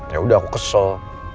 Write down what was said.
yaudah aku kesel